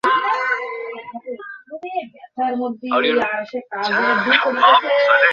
যেন সুতপার সহজ-সরলতায় নির্মাতার পাশাপাশি চলচ্চিত্রগ্রাহক, সম্পাদক এবং সংগীত পরিচালক জারিত হয়েছেন।